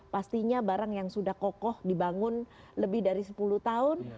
pastinya barang yang sudah kokoh dibangun lebih dari sepuluh tahun